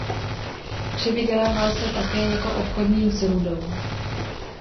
Přivydělával se také jako obchodník s rudou.